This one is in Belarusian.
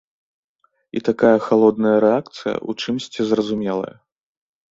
І такая халодная рэакцыя ў чымсьці зразумелая.